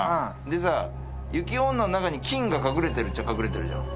でさ雪女の中に金が隠れてるっちゃ隠れてるじゃん。